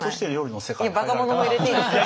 いやバカ者も入れていいですよ。